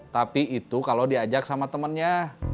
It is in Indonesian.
tapi itu kalau diajak sama temennya